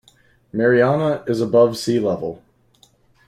Marianna is above sea level.